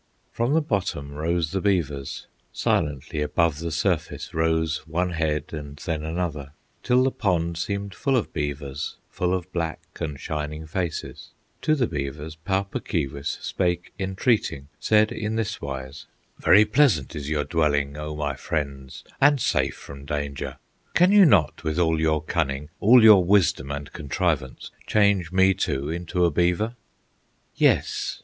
From the bottom rose the beavers, Silently above the surface Rose one head and then another, Till the pond seemed full of beavers, Full of black and shining faces. To the beavers Pau Puk Keewis Spake entreating, said in this wise: "Very pleasant is your dwelling, O my friends! and safe from danger; Can you not, with all your cunning, All your wisdom and contrivance, Change me, too, into a beaver?" "Yes!"